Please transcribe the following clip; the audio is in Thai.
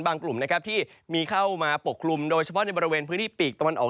กลุ่มนะครับที่มีเข้ามาปกคลุมโดยเฉพาะในบริเวณพื้นที่ปีกตะวันออก